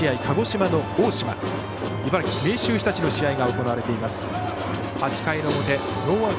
鹿児島の大島茨城、明秀日立の試合が行われています。